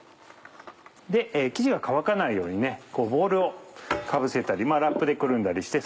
生地が乾かないようにボウルをかぶせたりラップでくるんだりして。